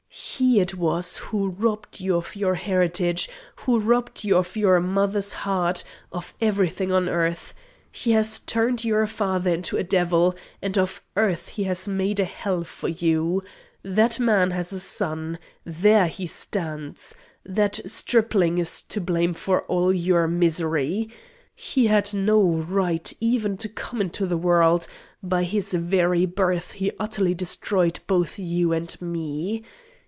He it was who robbed you of your heritage, who robbed you of your mother's heart of everything on earth. He has turned your father into a devil, and of earth he has made a hell for you. That man has a son. There he stands. That stripling is to blame for all your misery. He had no right even to come into the world; by his very birth he utterly destroyed both you and me.